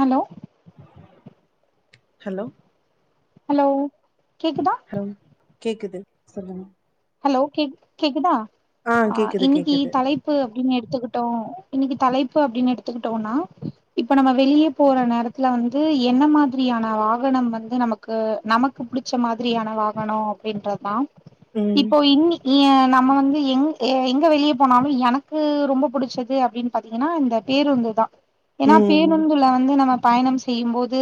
hello hello hello கேக்குதா hello கேக்குது சொல்லுங்க ஹலோ கேக் கேக்குதா ஆ கேக்குது இன்னிக்கி கேக்குது தலைப்பு அப்டின்னு எடுத்துக்கிட்டோம் இன்னிக்கி தலைப்பு அப்டின் எடுத்துக்கிட்டோன்னா இப்ப நம்ம வெளிய போற நேரத்துல வந்து என்ன மாதிரியான வாகனம் வந்து நமக் கு நமக்கு புடிச்ச மாதிரியான வாகனம் அப்டின்றதா ம் இப்போ இன்னிக் ஏன் நம்ம வந்து எங் எ எங்க வெளிய போனாலு எனக்கு ரொம்ப புடிச்சது அப்டின் பாத்தீங்கன்னா இந்த பேருந்து தா ஏனா ம் பேருந்துல வந்து நம்ம பயணம் செய்யும் போது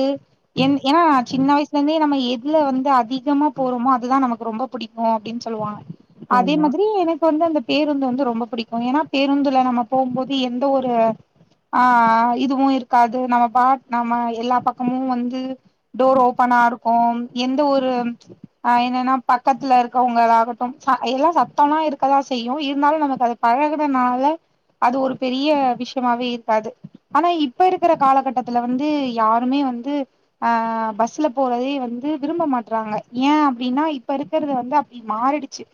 என் ஏனா சின்ன வயசுல இருந்தே நம்ம எதுல வந்து அதிகமா போறோமோ அதுதா நமக்கு ரொம்ப புடிக்கும் அப்டின் சொல்லுவாங்க அதே ஆமா மாதிரி எனக்கு வந்து அந்த பேருந்த வந்து ரொம்ப புடிக்கும் ஏனா பேருந்துல நம்ம போம்போது எந்த ஒரு ஆ இதுவும் இருக்காது நம்ம பா நம்ம எல்லா பக்கமு வந்து டோர் ஓப்பனா இருக்கும் எந்த ஒரு ஆ என்னன்னா பக்கத்துல இருக்கவங் களாகட்டு‌ம் ச எல்லா சத்தல்லா இருக்கதா செய்யும் இருந்தாலு நமக்கு அது பழகறனால அது ஒரு பெரிய விஷியமாவே இருக்காது ஆனா இப்ப இருக்கற காலகட்டத்துல வந்து யாருமே வந்து ஆ பஸ்ல போறதே வந்து விரும்ப மாட்றாங்க ஏ அப்டின்னா இப்ப இருக்கறது வந்து தி மாறிடுச்சு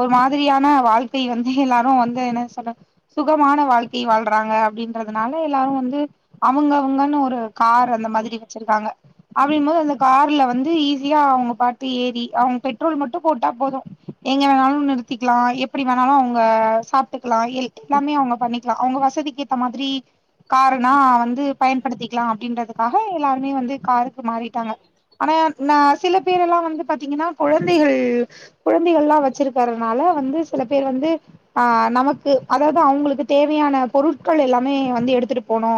ஒரு மாதிரியான வாழ்க்கை வந்து எல்லாரு வந்து என்ன சொல் சுகமான வாழ்க்கை வாழ்றாங்க அப்டின்றதுனால எல்லாரு வந்து அவுங்கவுங்கன்னு ஒரு கார் அந்த மாதிரி வச்சிருக்காங்க அப்டிங்கு போது அந்த கார்ல வந்து ஈஸியா அவுங்க பாட்டு ஏறி அவுங்க பெட்ரோல் மட்டு போட்டா போது எங்க வேணாலு நிறுத்திக்கலா எப்டி வேணாலு அவுங்க சாப்ட்டுக்கலா எல்லாமே அவுங்க பண்ணிக்கலா அவுங்க வசதிக் கேத்த மாதிரி காருனா வந்து பயன்படுத்திக்கலா அப்டின்றதுக்காக எல்லாருமே வந்து காருக்கு மாறிட்டாங்க ஆனா நா சில பேருல்லா வந்து பாத்தீங்கன்னா கொழந்தைகள் கொழந்தைகள்ல்லா வச்சிருக்கறதுனால வந்து சில பேர் வந்து ஆ நமக்கு அதாவது அவுங்களுக்கு தேவையான பொருட்கள் எல்லாமே வந்து எடுத்துட்டு போனு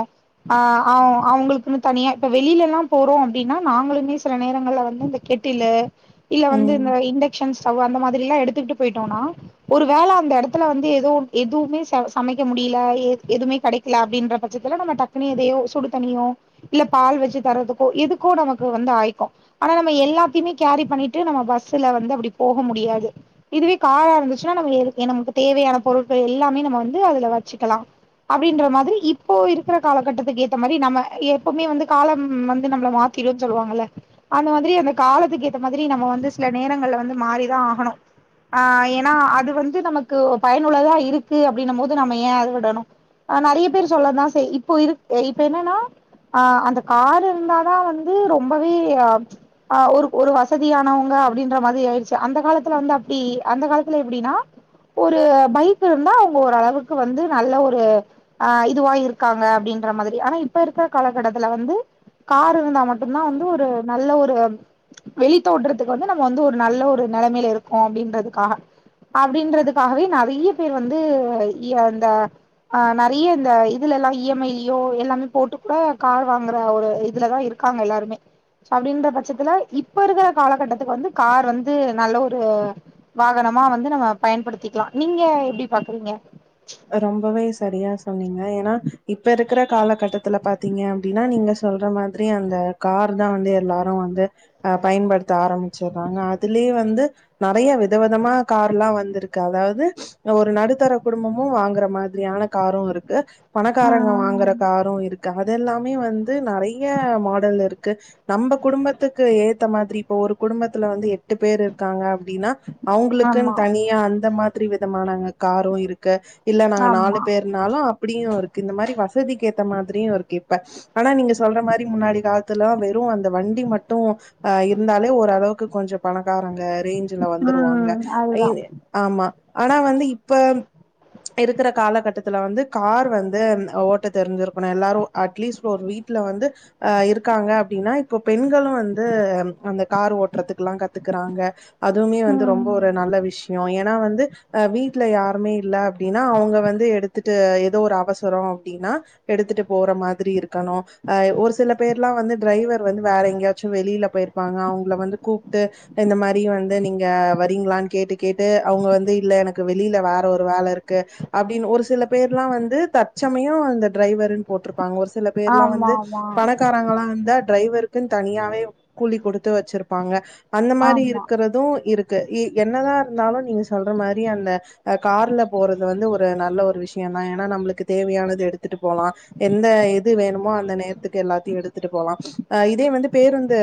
ஆ அ அவங்களுக்குன்னு தனியா இப்ப வெளியிலல்லா போறோ அப்டின்னா நாங்களுமே சில நேரங்கள்ல வந்து கெட்டிலு இல்ல வந்து ம் இந்த இண்டக்க்ஷன் ஸ்டவ் அந்த மாதிரில்லா எடுத்துக்கிட்டு போயிட்டோன்னா ஒரு வேல அந்த எடத்துல வந்து எதோ எதுவுமே ச சமைக்க முடியல எதுவுமே கெடை க்கல அப்டின்ற பட்சத்துல நம்ம டக்குன்னு எதையோ சுடு தன்னியோ இல்ல பால் வச்சு தரத்துக்கோ எதுக்கோ நமக்கு வந்து ஆயிக்கு ஆனா நம்ம எல்லாத்தையுமே கேரி பண்ணிட்டு நம்ம பஸ்ல வந்து அப்டி போக முடியாது இதுவே காராருந்துச்சுன்னா நம்ம ஏற்கன நமக்கு தேவையான பொருட்கள் எல்லாமே நம்ம வந்து அதுல வச்சுக்கலா அப்டின்ற மாதிரி இப்போ இருக்குற காலகட்டத்துக்கு ஏத்த மாதிரி நம்ம எப்பவுமே வந்து காலம் வந்து நம்மள மாத் க்குன்னு சொல்லுவாங்கல்ல அந்த மாதிரி அந்த காலத்துக்கு ஏத்த மாதிரி நம்ம வந்து சில நேரங்கள்ல வந்து மாறிதா ஆகணு ஆ ஏன்னா அது வந்து நமக்கு பயனுள்ளதா இருக்கு அப்டின்னு போது நம்ம ஏ அத விடணு ஆ நறைய பேர் சொல்ல தா செய் இப்போ இரு இப்ப என்னன்னா ஆ அந்த கார் இருந்தாதா வந்து ரொம்பவே ஆ ஒரு ஒரு வசதியானவங்க அப்டின்ற மாதிரி ஆயிடுச் சு அந்த காலத்துல வந்து அப்டி அந்த காலத்துல எப்டின்னா ஒரு பைக்யிருந்தா அவங்க ஓரளவுக்கு வந்து நல்ல ஒரு அ இதுவு இருக்காங்க அப்டின்ற மாதிரி ஆனா இப்ப இருக்கற காலகட்டத்துல வந்து கார்ருந்தா மட்டும்தா வந்து ஒரு நல்ல ஒரு வெளித்தோட்றதுக்கு வந்து நம்ம வந்து ஒரு நல்ல ஒரு நெலைமையில இருக்கோ அப்டின்றதுக்காக அப்டின்றதுக்காகவே நறைய பேர் வந்து அந்த ஆ நறைய இந்த இதுலல்லா இ எம் ஐலயோ எல்லாமே போட்டு கூட கார் வாங்குற ஒரு இதுல தா இருக் காங்க எல்லாருமே அப்டின்ற பட்சத்துல இப்ப இருக்கற காலகட்டத்துக்கு வந்து கார் வந் து நல்ல ஒரு வாகனமா வந்து நம்ம பயன்படுத்திக்கலா நீங்க எப்பிடி பாக்குறீங்க ரொம்பவே சரியா சொன்னீங்க ஏன்னா இப்பருக் இருக்கற காலகட்டத்துல பாத்தீங்க அப்டின்னா நீங்க சொல்ற மாதிரி அந்த கார் தா வந்து எல்லாரு வந்து அ பயன்படுத்த ஆரம்மிச்சர்றாங்க அதுலயே வந்து நறைய விதவிதமா கார்ல்லா வந்துருக்கு அதாவது ஒரு நடுத்தர குடும்பம் மு வாங்கற மாதிரியான காரு இருக்கு பணக்காரங்க வாங்கற உம் காரு இருக்கு இதெல்லாமே வந்து நறைய மாடல் இருக்கு நம்ம குடும்பத்துக்கு ஏத்த மாதிரி இப்ப ஒரு குடும்பத்துல வந்து எட்டு பேர் இருக்காங்க அப்டின்னா அவங்களுக்குன் ஆமா தனியா அந்த மாதிரி விதமானங் காரு இருக்கு இல்ல நாங்க நாலு ஆமா பேர் இருந்தாலு அப்படியு இருக்கு இந்த மாரி வசதிக்கேத்த மாதிரியு இருக்கு இப்ப ஆனா நீங்க சொல்ற மாதிரி முன்னாடி காலத்துலல்லா வெறு அந்த வண்டி மட்டு அ இருந்தாலே ஓரளவுக்கு கொஞ்சோ பணக்காரங்க ரேஞ்ச் வந்துருவாங்க உம் அதுதான் ஆமா ஆனா வந்து இப்ப இருக்கிற காலகட்டத்துல வந்து கார் வந்து ஓட்ட தெரிஞ்சிருக்கணும் எல்லாரும் அட்லீஸ்ட் ஒரு வீட்டுல வந்து அஹ் இருக்காங்க அப்டின்னா இப்போ பெண்களும் வந்து அந்த கார் ஓட்டுறதுக்கு எல்லா கத்துக்குறாங்க அதுமே வந்து உம் ரொம்ப ஒரு நல்ல விஷய ஏன்னா வந்து அ வீட்ல யாருமே இல்ல அப்டின்னா அவங்க வந்து எடுத்துட்டு ஏதோ ஒரு அவசர அப்டின்னா எடுத்துட்டு போற மாதிரி இருக்கணும் ஒரு சில பேர் எல்லா வந்து டிரைவர் வந்து வேற எங்கேயாச்சும் வெளியில போயிருப்பாங்க அவங்கள வந்து கூப்ட்டு இந்த மாதிரி வந்து நீங்க வரீங்களான்னு கேட்டு கேட்டு அவங்க வந்து இல்ல எனக்கு வெளியில வேற ஒரு வேலை இருக்கு அப்டின்னு ஒரு சில பேர்லா வந்து தச்சமயம் அந்த டிரைவரு போட்டுருக்க ப்பங்க ஒரு சில பேர்ல்லா ஆமா வந்து ஆமா பணக்காரங்கல்லா இருந்தா டிரைவருக் தனியாவே கூலி கொடுத்து வச்சிருப்பாங்க அந்த மாதிரி ஆமா இருக்கிறதும் இருக்கு என்னதா இருந்தாலு நீங்க சொல்ற மாதிரி அந்த கார்ல போறது வந்து ஒரு நல்ல ஒரு விஷய தா ஏன்னா நம்மளுக்கு தேவையானது வந்து எடுத்துட்டு போலா எந்த இது வேணுமோ அந்த நேர க்கு எல்லாத்தையு எடுத்துட்டு போலா இதே வந்து பேருந்து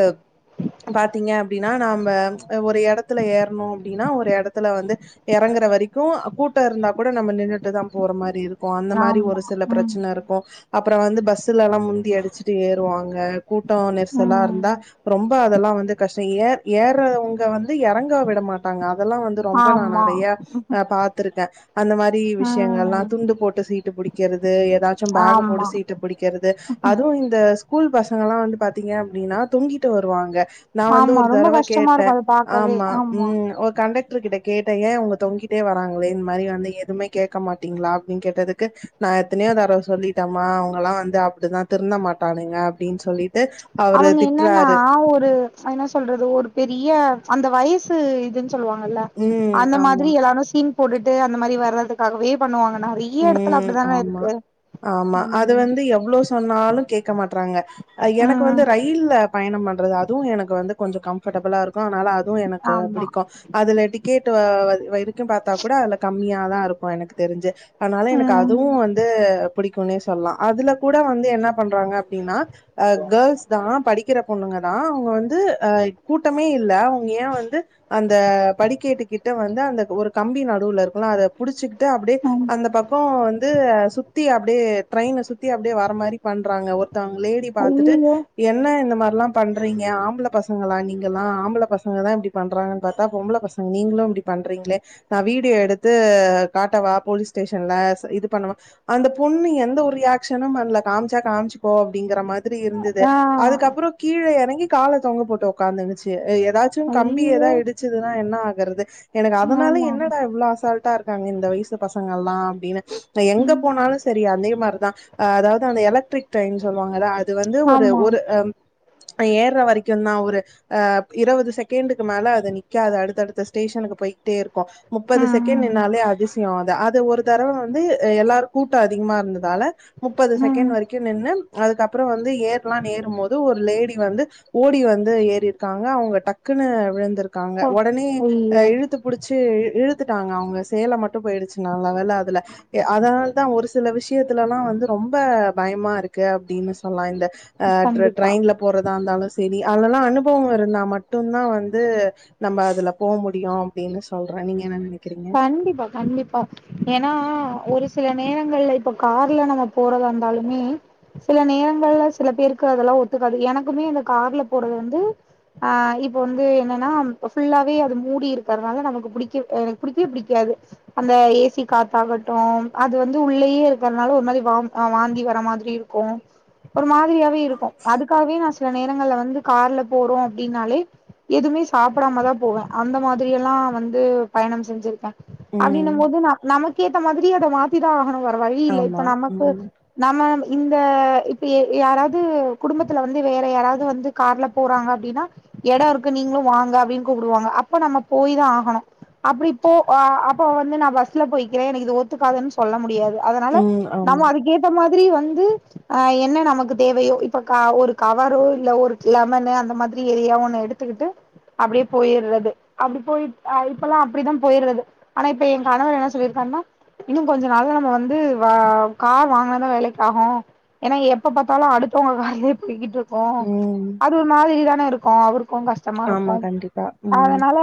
பாாத்தீங்க அப்டின்னு நா நம்ப ஒரு எடத்துல ஏறணும் அப்டின்னா ஒரு எடத்துல வந்து எறங்கற வரைக்கும் கூட்ட இருந்தா கூட நம்ம நின்னுட்டு தான் போற மாறி இருக்கும் அந்த மாதிரி ஒரு ஆமா சில உம் பிரச்சன இருக்கும் அப்பற வந்து பஸ்ல எல்லா முந்தி அடிச்சுட்டு ஏறுவாங்க கூட்ட நெரிசலா உம் இருந்தா ரொம்ப அதெல்லா வந்து கஷ்ட ஏ ஏறவங்க வந்து எறங்கா விட மாட்டாங்க அதெல்லா வந்து ரொம்ப நா ஆமா நெறைய ஆ பாத்திருக்க அந்த விஷயங்கள்ல்லா உம் துண்டு போட்டு சீட்டு பிடிக்கிறது ஏதாச்சு பேக போட்டு ஆமா சீட்டு குடிக்கிறது அதுவு இந்த ஸ்கூல் பசங்க எல்லாம் வந்து பாத்தீங்க அப்டின்னா தொங்கிட்டு வருவாங்க நா வந்து ஆமா ஒரு ரொம்ப தடவ கஷ்டமா கேட்ட இருக்கு அத பாக்கவே ஆமா ம் ஒரு கண்டக்டரு கிட்ட கேட்ட ஏய இவங்க தொங்கி ட்டே வராங்களே இந்த மாதிரி வந்து எதுவுமே கேக்கமாட்டீங்களா அப்டின்னு கேட்டதுக்கு நா எத்தனையோ தரவ சொல்லிட்டேம்மா அவங்கல்லா அப்டிதா திருந்த மாட்டானுங்க அப்டின்னு சொல்லிட் அவங்க என்னன்னா ஒரு அ என்ன சொல்றது‌ ஒரு பெரிய அந்த வயசு இது சொல்லுவாங்கல்ல ம் அந்த ஆமா மாதிரி எல்லாரு சீன் போட்டுட்டு அந்த மாதிரி வர்றதுக்காகவே பண்ணுவாங்க நெறை ம் ஆமா ஆமா அது ம் வந்து எவ்ளோ சொன்னாலு கேட்க மாட்றாங்க எனக்கு வந்து ம் ரயில் பயண பண்றது அதுவும் எனக்கு வந்து கொஞ்ச கம் கபர்டபுள்ளா இருக்கும் ஆனால அதுவு எனக்கு ஆமா பிடிக்கும் அதுல டிக்கெட் வ வரைக்கும் பாத்தா கூட அதுல கம்மியாதா இருக்கும் எனக்கு தெரிஞ்சு அதனால எனக்கு ம் அதுவு வந்து பிடிக்கும்ன்னே சொல்லா அதுல கூட வந்து என்ன பண்றாங்க அப்டின்னா அ கேர்ள்ஸ் தா படிக்கிற பொண்ணுங்க தா அவங்க வந்து அஹ் கூட்டமே இல்ல அவங்க எய வந்து அந்த படிக்கேட்டுக்கிட்ட வந்து அந்த ஒரு கம்பி நடுவுல இருக்குல அத புடிச்சுக்கிட்டு அப்டியே ஆமா அந்த பக்க வந்து சுத்தி அப்டியே ட்ரெயின சுத்தி அப்டியே வர மாதிரி பண்றாங்க ஒரு ஒருத்தவங்க லேடி பாத்துட்டு ஐயயோ என்ன இந்த மாதிரில்லா பண்றீங்க ஆம்பள பசங்களா நீங்கல்லா ஆம்பள பசங்கல தா இப்டி பண்றாங்கன்னு பார்த்தா பொம்பள பசங்க நீங்களும் இப்டி பண்றீங்களே நா வீடியோ எடுத்து காட்டவா போலீஸ் ஸ்டேஷன்ல இது பண்ணுவா அந்த பொண்ணு எந்த ஒரு ரியாக்ஷனும் பண்ணுல காமிச்சா காமிச்சுக்கோ அப்டிங்கற மாதிரி இருந்துது ஆ அதுக்கப்பற கீழ இறங்கி கால தொங்க போட்டு உக்காந்துச்சு ஏதாச்சும் கம்பி ஏதா ஐயயோ இடிச்சதுன்னா என்ன ஆகுரது எனக்கு அதனால ஆமா என்னட இவ்வளோ அசால்ட் ட்டா இருக்காங்க இந்த வயசு பசங்கள் எல்லா அப்டின்னு நா எங்க ம் போனாலு சரி அதே மாதிரிதா அதாவது அந்த எலக்டரிக் ட்ரெயின் சொல்லுவாங்க அத் இது வந்து ஒரு ஆமா ஒரு ஏர்ற வரைக்கும் தான் ஒரு ஆ இருவது செகண்டுக்கு மேல அது நிக்காது அடுத்தடுத்த ஸ்டேஷனுக்கு போய் டே இருக்கும் முப்பது ம் செகண்ட் ம் நின்னாலே அதிசயம் அது அது ஒரு தரவ வந்து எல்லாருக்கும் கூட்டம் அதிகமா இருந்ததால முப்பது ம் செகண்ட் வரைக்கு நின்னு அதுக்கப்புற வந்து ஏறலாம்னு ஏறும்போது ஒரு லேடி வந்து ஓடி வந்து ஏறி இருக்காங்க அவங்க டக்குன்னு விழுந்திருக்காங்க ஒடனே ஐயயோ இழுத்து புடிச் சு இழுத்துட்டாங்க அவங்க சேல மட்டும் போயிடுச்சு நல்லவேல அதுல அதனாலதா ஒரு சில விஷயத்துலல்லா வந்து ரொம்ப பயமா இருக்கு அப்டின்னு சொல்லலா இந்த அ கண்டிப்பா ட்ரெயின்ல போறதா இருந்தாலும் சேரி அதல்லா அனுபவம் இருந்தா மட்டும் தா வந்து நம்ம அதுல போக முடியும் அப்படின்னு சொல்றேன் நீங்க என்ன நெனைக்கறீங்க கண்டிப்பா கண்டிப்பா ஏன்னா ஒரு சில நேரங்கள்ல இப்ப கார்ல நம்ம போறதா இருந்தாலுமே சில நேரங்கள்ல சில பேருக்கு அதெல்லா ஒத்துக்காது எனக்குமே இந்த கார்ல போறது வந்து ஆ இப்ப வந்து என்னன்னா ஃபுல்லாவே அது மூடி இருக்கிறதுனால நமக்கு பிடிக்க புடிக்கவே புடிக்காது அந்த ஏசி காத்தாகட்டும் அது வந்து உள்ளேயே இருக்கிறதுனால ஒரு வாம் வாந்தி வர மாதிரி இருக்கும் க்கு ஒரு மாதிரியாவே இருக்கும் அதுக்காகவே நா சில நேரங்கள்ல வந்து கார்ல போறோம் அப்படின்னாலே எதுவுமே சாப்பிடாம தா போவே அந்த மாதிரில்லா வந்து பயணம் செஞ்சிருக்கேன் ம் அப்படின்னும் போது ந நமக்கேத்த மாதிரி அத மாத் திதா தா ஆகணு வேற வழி இல்ல இப்ப ஆமா நமக்கு ம் நம்ம இந்த இப்ப யாராவது குடும்பத்துல வந்து வேற யாராவது வந்து கார்ல போறாங்க அப்டின்னா எடொ இருக்கு நீங்களு வாங்க அப்டின்னு கூப்பிடுவாங்க அப்ப நம்ம போய்தா ஆகணும் அப்டிபோ அ அப்போ வந்து நா பஸ்ல போய்கிறே எனக்கு இது ஒத்துக்காதுன் சொல்ல முடியாது அதனால ம் நம்ம ஆமா அதுக்கேத்த மாதிரி வந்து ஆ என்ன நமக்கு தேவையோ இப்ப ஒரு கவரோ இல்ல ஒரு லெமனு அந்த மாதிரி ஏதயோ ஒன்னு எடுத் துக்கிட்டு அப்டியே போயிர்றது அப்டி போய் இப்பல்லா அப்டித்தா போயிர்றது ஆனா இப்ப என் கணவர் என்ன சொல்லியிருக்காருன்னா இன்னும் கொஞ்ச நாள்ல நம்ம வந்து கார் வாங்கினாதான் வேலைக்காகும் ஏன்னா எப்ப பாத்தாலு அடுத்தவங்க கார்லயே போய்கிட்டு இரு க்கோ ம் அது ஒரு மாதிரி தானே இருக்கும் அவருக்கும் கஷ் டமா ஆமா இருக்கும் கண்டிப்பா ம் அதனால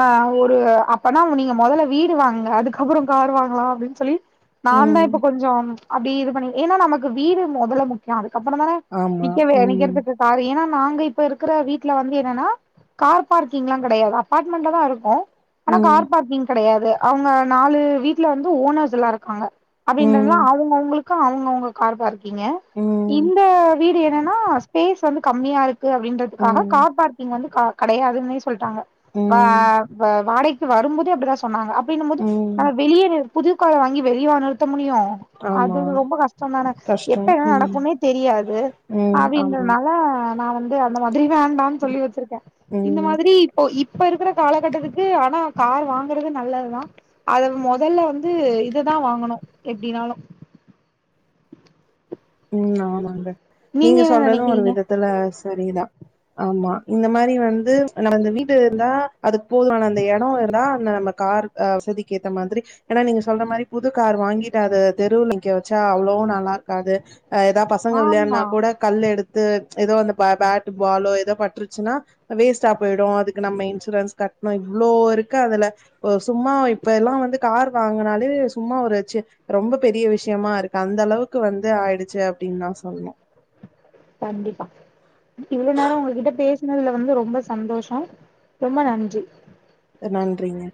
ஆ ஒரு அப்பனா நீங்க மொதல்ல வீடு வாங்குங்க அதுக்கப்புற கார் வாங்கலா அப்டின்னு சொல்லி நான் தா ம் இப்ப கொஞ்சம் அப்டி இது பண்ணி ஏன்னா நமக்கு வீடு மொதல்ல முக்கியம் அதுக்கு அப்புறந்தானே ஆமா நிக்கவே ம் நிக்கிறதுக்காரு ஏன்னா நாங்க இப்ப இருக்கிற வீட்ல வந்து என்னன்னா கார் பார்கிங்லா கெடையாது அப்பார்ட்மெண்ட்ல தா இருக்கோ ஆனா ம் கார் பார்க்கிங் கெடையாது அவங்க நாலு வீட்ல வந்து ஓனர்ஸ்ல்லா இருக்காங்க அப்டின்றாங்களா ம் அவுங்கவுங்ளுக்கு அவங்கவுங்க கார் பார்க்கீங்கு ம் இந்த வீடு என்னன்னா ஸ்பேஸ் வந்து கம்மியா இருக்கு அப்டின்றதுக்காக ம் கார் பார்க்கிங் வந்து கெடையாதுன்னே சொல்ட்டாங்க வா ம் வாடகைக்கு வரும்போதே அப்டிதா சொன்னாங்க அப்படின்னும் போது ம் வெளிய நிரு புதுக் கார வாங்கி வெளியவா நிறுத்த முடியும் அது ஆமா ரொம்ப கஷ்டம்தானே எப்ப கஷ்டம் என்ன ம் நடக்கும்னே தெரியாது ம் ஆமா அப்டின்றனால நா வந்து அந்த மாதிரி வேண்டான்னு சொல்லி வச்சிருக்கே இந்த ம் மாதிரி இப்போ இப்ப இருக்கிற காலக் கட்டத்துக்கு ஆனா கார் வாங்கறது நல்லதுதா அத மொதல்ல வந்து இததா வாங்கணு எப்டினாலு ம் ஆமாங்க நீங்க என்ன சொல்றது ஒரு நெனைக்கிறீங்க விதத்துல சரிதா ஆமா இந்த மாரி வந்து நம்மந்த வீட்ட இருந்தா அதுக் போதுமான அந்த எடோ இருந்தா அந்த நம்மக் காருக் அ வசதிக்க ஏத்த மாதிரி எனா நீங்க சொல்ற மாரிப் புதுக் கார் வாங்கிட்டு அத தெருவுல் நிக்க வெச்சா அவ்ளவு நல்லார்க்காது அ எதாப் பசங்க ஆமா விளையான்னாக் கூட கல்லெடுத்து எதோ அந்தப் பே பேட்டு பாலோ எதோப் பட்ருச்சுனா வேஸ்ட்டா போயிடு அதுக்கு நம்ம இன்சூரன்ஸ் கட்ணு இவ்ளோ இருக்கு அதல ஒ சும்மா இப்ப எல்லா வந்து கார் வாங்கனாலே சும்மா ஒருச்சு ரொம்ப பெரிய விஷ்யமா இருக்கு அந்தளவுக்கு வந்து ஆயிடுச்சு அப்டின்தா சொல்ணு கண்டிப்பா இவ்ளோ நேரோ உங்க கிட்ட பேச்னதுல வந்து ரொம்ப சந்தோஷோ ரொம்ப நன்றி நன்றிங்க